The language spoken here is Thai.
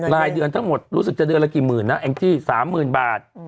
รายเดือนทั้งหมดรู้สึกจะเดือนละกี่หมื่นนะแองจี้๓๐๐๐บาท